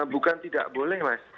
bukan tidak boleh mas